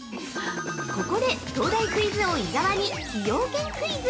◆ここで東大クイズ王伊沢に、崎陽軒クイズ！